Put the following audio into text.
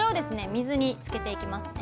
水につけていきますね。